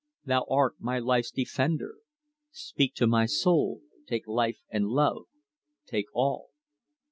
thou art my life's defender; Speak to my soul! Take life and love; take all!"